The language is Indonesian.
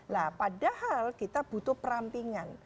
nah padahal kita butuh perampingan